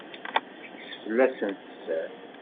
Tekkes fell-asent sser.